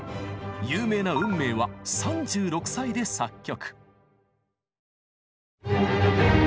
有名な「運命」は３６歳で作曲。